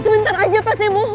sebentar aja pak saya mohon